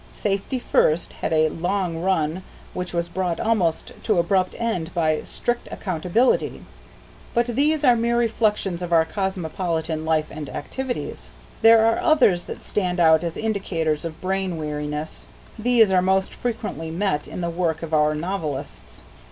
"Safety first" had a long run which was brought almost to abrupt end by "strict accountability," but these are mere reflections of our cosmopolitan life and activities. There are others that stand out as indicators of brain weariness. These are most frequently met in the work of our novelists.